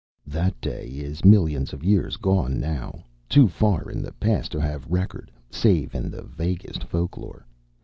That day is millions of years gone now, too far in the past to have record save in the vaguest folklore.